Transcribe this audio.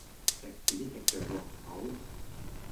食屎食著綠豆